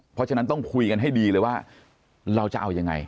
เพราะฉะนั้นต้องคุยกันให้ดีเลยว่าเราจะเอายังไง